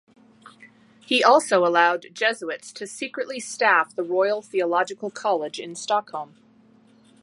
He also allowed Jesuits to secretly staff the Royal Theological College in Stockholm.